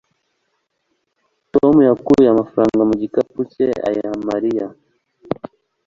tom yakuye amafaranga mu gikapu cye ayiha mariya